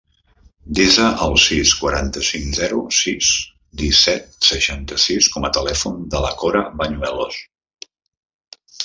Desa el sis, quaranta-cinc, zero, sis, disset, seixanta-sis com a telèfon de la Cora Bañuelos.